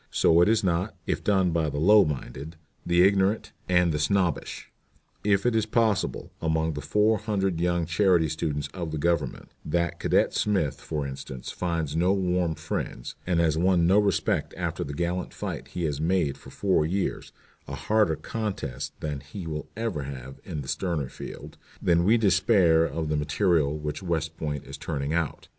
So it is not, if done by the low minded, the ignorant, and the snobbish. If it be possible, among the four hundred young charity students of the Government, that Cadet Smith, for instance, finds no warm friends, and has won no respect after the gallant fight he has made for four years a harder contest than he will ever have in the sterner field then we despair of the material which West Point is turning out.